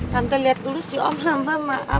tante lihat dulu si om lupa maaf